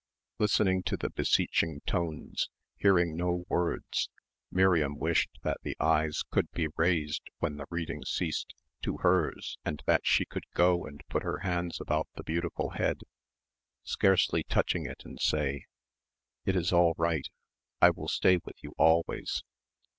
Listening to the beseeching tones, hearing no words, Miriam wished that the eyes could be raised, when the reading ceased, to hers and that she could go and put her hands about the beautiful head, scarcely touching it and say, "It is all right. I will stay with you always."